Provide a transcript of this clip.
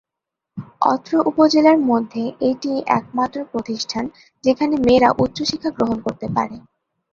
অত্র উপজেলার মধ্যে এটিই একমাত্র প্রতিষ্ঠান যেখানে মেয়েরা উচ্চশিক্ষা গ্রহণ করতে পারে।